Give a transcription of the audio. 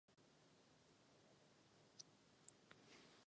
Stal se členem výboru pro ekonomické záležitosti.